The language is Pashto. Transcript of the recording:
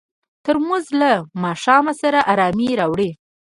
ترموز له ماښام سره ارامي راوړي.